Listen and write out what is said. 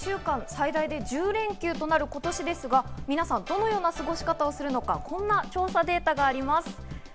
最大で１０連休となる今年ですが、皆さんどのような過ごし方をするのか、こんな調査データがあります。